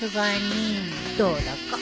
どうだか。